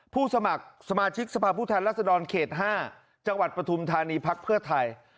ผู้สมัครสมาชิกสภาพผู้แทนรัฐศาสตร์๕จังหวัดประธุมธานีภักดิ์เพื่อไทย